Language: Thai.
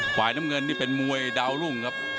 ฝ่ายน้ำเงินนี่เป็นมวยดาวรุ่งครับ